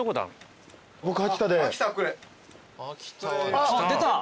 あっ出た！